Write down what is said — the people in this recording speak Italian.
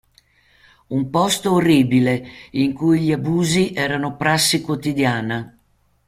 Un posto orribile, in cui gli abusi erano prassi quotidiana.